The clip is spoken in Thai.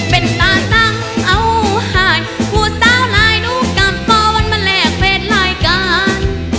เป็นตาตั้งเอาหาดผู้สาวลายหนูกับปอมันมาแลกเฟสรายการ